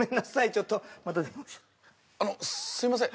ちょっとまた電話あのすいません